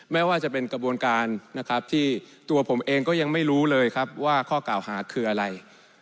แม้จะเป็นกระบวนการที่ตัวผมเองยังไม่รู้เลยว่าข้อกล่าวหาคืออะไร